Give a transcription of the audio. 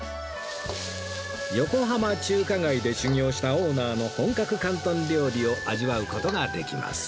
横浜中華街で修業したオーナーの本格広東料理を味わう事ができます